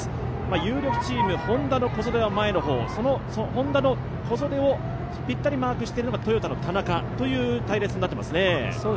有力チーム、Ｈｏｎｄａの小袖は前の方、Ｈｏｎｄａの小袖をぴったりマークしているのがトヨタの田中ですかね。